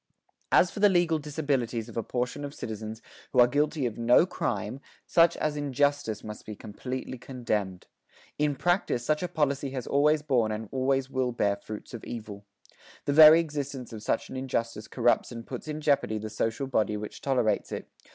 As for the legal disabilities of a portion of citizens who are guilty of no crime, such as injustice must be completely condemned. In practice, such a policy has always borne and always will bear fruits of evil. The very existence of such an injustice corrupts and puts in jeopardy the social body which tolerates it....